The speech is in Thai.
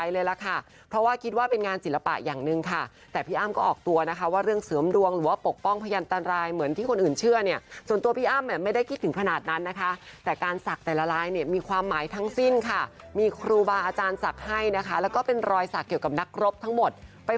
เลยล่ะค่ะเพราะว่าคิดว่าเป็นงานศิลปะอย่างหนึ่งค่ะแต่พี่อ้ำก็ออกตัวนะคะว่าเรื่องเสริมดวงหรือว่าปกป้องพยันตรายเหมือนที่คนอื่นเชื่อเนี่ยส่วนตัวพี่อ้ำไม่ได้คิดถึงขนาดนั้นนะคะแต่การศักดิ์แต่ละลายเนี่ยมีความหมายทั้งสิ้นค่ะมีครูบาอาจารย์ศักดิ์ให้นะคะแล้วก็เป็นรอยสักเกี่ยวกับนักรบทั้งหมดไป